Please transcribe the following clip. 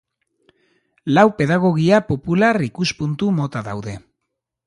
Lau pedagogia popular ikuspuntu mota daude.